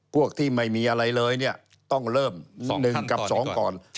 พวกที่ไม่มีอะไรเลยเนี่ยต้องเริ่ม๑กับ๒ก่อน